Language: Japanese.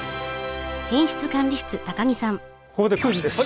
ここでクイズです！